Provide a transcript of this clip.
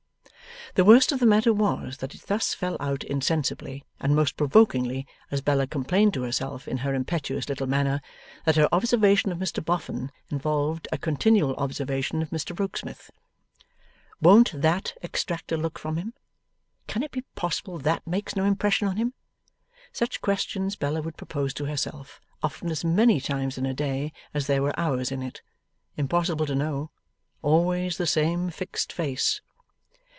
The worst of the matter was, that it thus fell out insensibly and most provokingly, as Bella complained to herself, in her impetuous little manner that her observation of Mr Boffin involved a continual observation of Mr Rokesmith. 'Won't THAT extract a look from him?' 'Can it be possible THAT makes no impression on him?' Such questions Bella would propose to herself, often as many times in a day as there were hours in it. Impossible to know. Always the same fixed face.